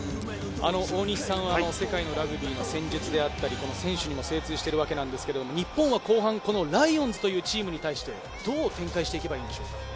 大西さんは世界のラグビーの戦術であったり、選手に精通しているわけですが、日本は後半、ライオンズというチームに対して、どう展開していけばいいですか？